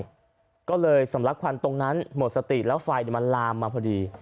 ก็เลยสำลักควันตรงนั้นหมดสติแล้วไฟมันลามมาพอดี